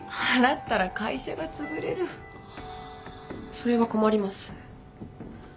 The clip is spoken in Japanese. それは困ります。